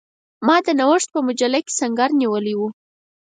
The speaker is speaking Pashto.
ما د نوښت په مجله کې سنګر نیولی وو.